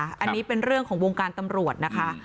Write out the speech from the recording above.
อันนี้เป็นเรื่องของวงการตำรวจนะคะ